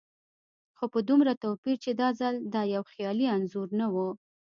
خو په دومره توپير چې دا ځل دا يو خيالي انځور نه و.